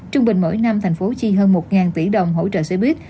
trung bình mỗi năm tp hcm chi hơn một tỷ đồng hỗ trợ xoay biếc